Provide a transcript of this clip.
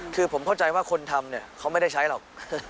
คือผมเข้าใจว่าคนทำเนี่ยเขาไม่ได้ใช้หรอก